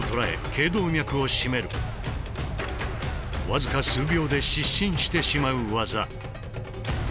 僅か数秒で失神してしまう技。